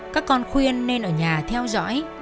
các con khuyên nên ở nhà theo dõi